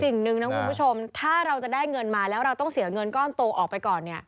สิ่งหนึ่งนะคุณผู้ชมถ้าเราจะได้เงินมาแล้วเราต้องเสียเงินก้อนโตออกไปก่อนเนี่ย